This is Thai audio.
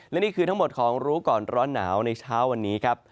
และนี่คือทั้งหมดของรู้ก่อนร้อนหนาวในเช้าวันนี้ครับ